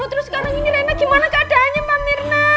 terus sekarang ini rena gimana keadaannya mbak mirna